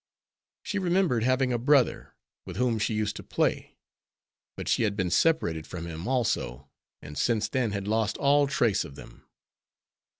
She remembered having a brother, with whom she used to play, but she had been separated from him also, and since then had lost all trace of them.